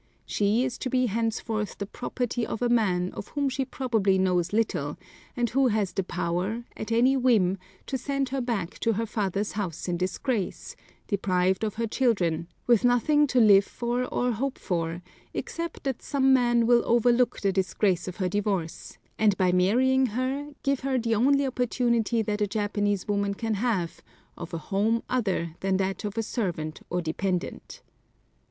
She is to be henceforth the property of a man of whom she probably knows little, and who has the power, at any whim, to send her back to her father's house in disgrace, deprived of her children, with nothing to live for or hope for, except that some man will overlook the disgrace of her divorce, and by marrying her give her the only opportunity that a Japanese woman can have of a home other than that of a servant or dependent.